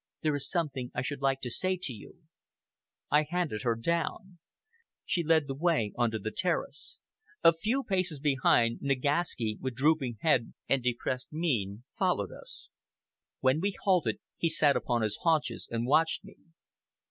"There is something I should like to say to you." I handed her down. She led the way on to the terrace. A few paces behind, Nagaski, with drooping head and depressed mien, followed us. When we halted, he sat upon his haunches and watched me.